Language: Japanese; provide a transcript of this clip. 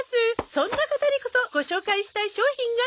そんな方にこそご紹介したい商品がこちら！